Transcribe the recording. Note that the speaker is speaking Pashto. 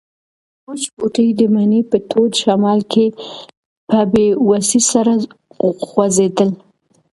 وچ بوټي د مني په تود شمال کې په بې وسۍ سره خوځېدل.